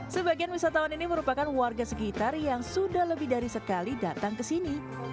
sebagian wisatawan ini merupakan warga sekitar yang sudah lebih dari sekali datang ke sini